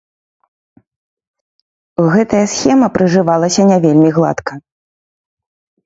Гэтая схема прыжывалася не вельмі гладка.